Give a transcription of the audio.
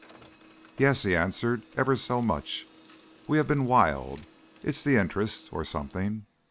"Yes," he answered. "Ever so much. We have been wild. It's the interest. Or something.